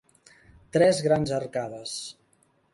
Tres grans arcades.